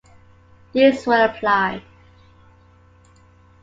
These were applied.